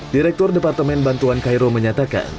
direktur departemen bantuan cairo menyatakan